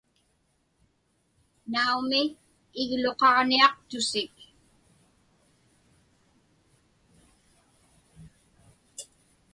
Naumi, igluqaġniaqtusik.